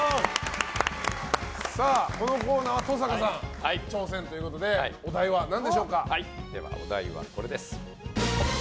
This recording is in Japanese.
このコーナーは登坂さん、挑戦ということでお題はこれです。